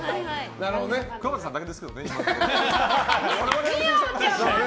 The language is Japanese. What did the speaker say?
くわばたさんだけですけどね。